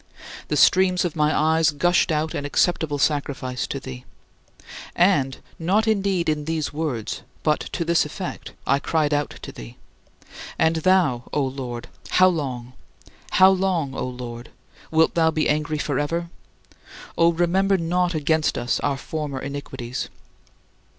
The streams of my eyes gushed out an acceptable sacrifice to thee. And, not indeed in these words, but to this effect, I cried to thee: "And thou, O Lord, how long? How long, O Lord? Wilt thou be angry forever? Oh, remember not against us our former iniquities."